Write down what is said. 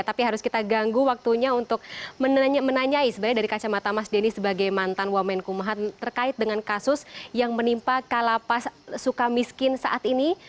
tapi harus kita ganggu waktunya untuk menanyai sebenarnya dari kacamata mas denny sebagai mantan wamenkumham terkait dengan kasus yang menimpa kalapas suka miskin saat ini